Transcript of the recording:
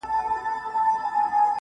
ما خو څو واره ازمويلى كنه.